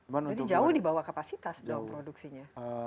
jadi jauh dibawah kapasitas dong produksinya